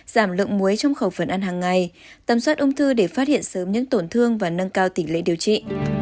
giảm lượng muối trong khẩu phần ăn hàng ngày tầm soát ung thư để phát hiện sớm những tổn thương và nâng cao tỉ lệ điều trị